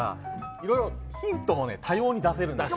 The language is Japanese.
いろいろヒントも多様に出せるんです